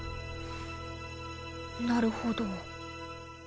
なるほど。